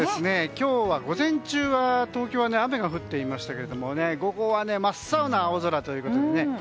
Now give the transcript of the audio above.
今日は午前中は東京は雨が降っていましたけども午後は真っ青な青空ということでね。